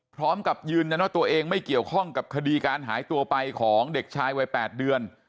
พร้อมกับยืนยันว่าตัวเองไม่เกี่ยวข้องกับคดีการหายตัวไปของเด็กชายวัย๘เดือน